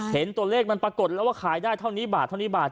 เห็นตัวเลขมันปรากฏแล้วว่าขายได้เท่านี้บาทเท่านี้บาท